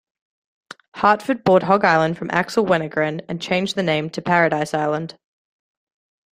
Hartford bought Hog Island from Axel Wenner-Gren and changed the name to Paradise Island.